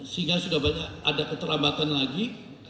sehingga sudah banyak ada keterlambatan lagi